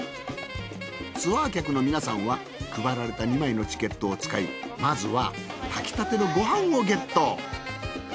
ツアー客の皆さんは配られた２枚のチケットを使いまずは炊きたてのごはんをゲット